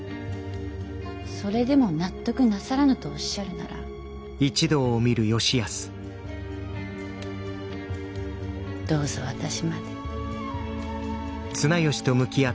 それでも納得なさらぬとおっしゃるならどうぞ私まで。